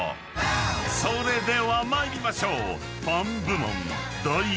［それでは参りましょう］